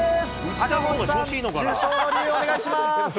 赤星さん、受賞の理由お願いします。